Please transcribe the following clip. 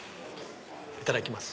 いただきます。